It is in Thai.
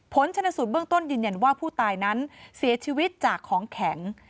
ผลชนสูตรเบื้องต้นยืนยันว่าผู้ตายนั้นเสียชีวิตจากของแข็ง